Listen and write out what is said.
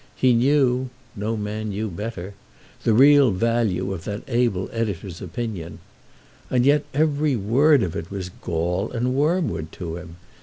He knew, no man knew better, the real value of that able Editor's opinion. And yet every word of it was gall and wormwood to him.